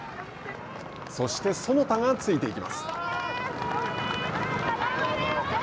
そして其田がついていきます。